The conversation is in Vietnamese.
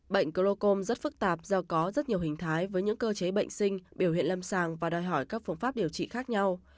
bệnh glocom rất phức tạp do có rất nhiều hình thái với những cơ chế bệnh sinh biểu hiện lâm sàng và đòi hỏi các phương pháp điều trị khác nhau